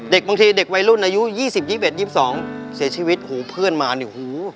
บางทีเด็กวัยรุ่นอายุ๒๐๒๑๒๒เสียชีวิตหูเพื่อนมาเนี่ยหู